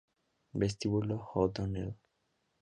Vestíbulo O'Donnell